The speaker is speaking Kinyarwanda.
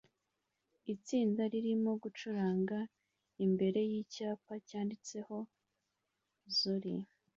Itsinda ririmo gucuranga imbere yicyapa cyanditseho "Zori"